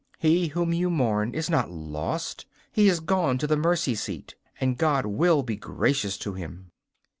He whom you mourn is not lost; he is gone to the mercy seat, and God will be gracious to him.